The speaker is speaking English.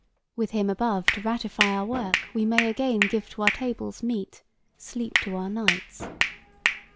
"With Him above To ratify our work, we may again Give to our tables meat, sleep to our nights."